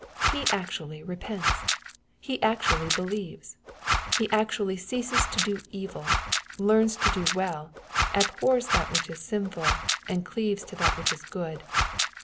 He actually repents. He actually believes. He actually ceases to do evil, learns to do well, abhors that which is siniuljlind' cleaves to that which is good.